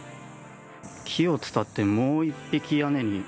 木を伝って、もう１匹屋根に。